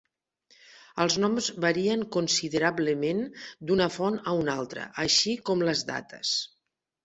Els noms varien considerablement d'una font a una altra, així com les dates.